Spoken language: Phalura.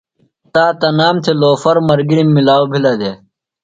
۔تا تنام تھےۡ لوفر ملگِرم ملاؤ بِھلہ دےۡ۔